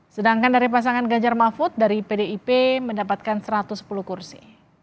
sedangkan dari pasangan ganjar mahfud dari pdip mendapatkan satu ratus sepuluh kursi